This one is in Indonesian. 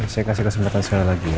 saya kasih kesempatan sekali lagi ya